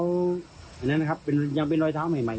อันนั้นนะครับยังเป็นรอยเท้าใหม่